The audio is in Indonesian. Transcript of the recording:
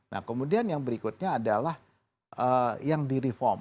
nah kemudian yang berikutnya adalah yang di reform